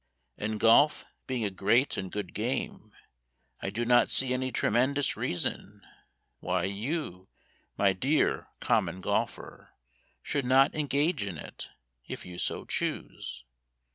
And golf being a great and good game I do not see any tremendous reason Why you, my dear Common Golfer, Should not engage in it if you so choose.